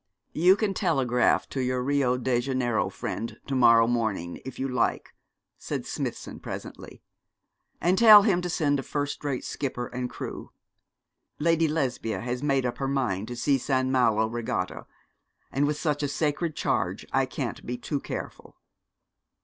'You can telegraph to your Rio Janeiro friend to morrow morning, if you like,' said Smithson, presently, 'and tell him to send a first rate skipper and crew. Lady Lesbia has made up her mind to see St. Malo Regatta, and with such a sacred charge I can't be too careful.'